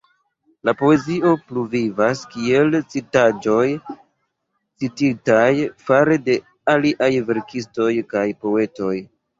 Lia poezio pluvivas kiel citaĵoj cititaj fare de aliaj verkistoj kaj poetoj.